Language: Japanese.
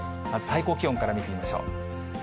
最高気温から見てみましょう。